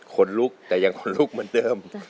คนลุกแต่ยังขนลุกเหมือนเดิม